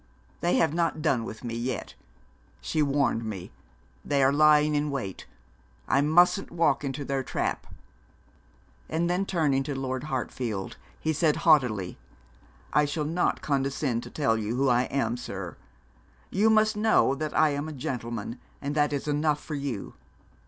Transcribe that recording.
They have not done with me yet; she warned me they are lying in wait; I mustn't walk into their trap.' And then turning to Lord Hartfield, he said, haughtily, 'I shall not condescend to tell you who I am, sir. You must know that I am a gentleman, and that is enough for you.